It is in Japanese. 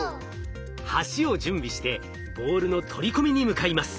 橋を準備してボールの取り込みに向かいます。